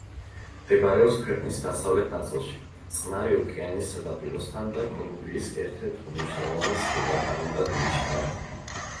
მდებარეობს ქვეყნის დასავლეთ ნაწილში, წყნარი ოკეანის სანაპიროსთან და კოლუმბიის ერთ-ერთ უმნიშვნელოვანეს დეპარტამენტად მიიჩნევა.